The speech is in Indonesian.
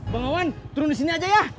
bang awan turun disini aja ya